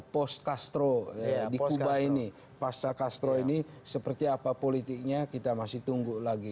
post castro di kuba ini pasca castro ini seperti apa politiknya kita masih tunggu lagi